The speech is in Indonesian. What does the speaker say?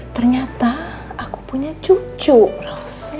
ternyata aku punya cucu ros